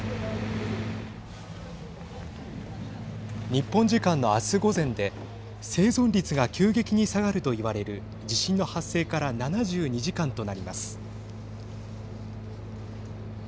日本時間の明日午前で生存率が急激に下がると言われる地震の発生から７２時間となります。